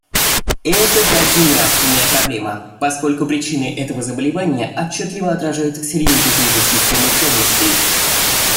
Это также нравственная проблема, поскольку причины этого заболевания отчетливо отражают серьезный кризис системы ценностей.